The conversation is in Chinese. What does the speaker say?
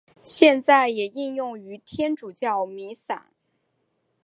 现在也应用于天主教弥撒。